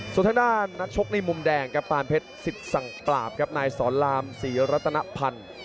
ส่วนทางด้านนักชกในมุมแดงครับปานเพชรสิทธิ์สั่งปราบครับนายสอนรามศรีรัตนพันธ์